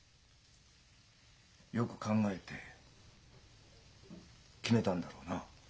よく考えて決めたんだろうな？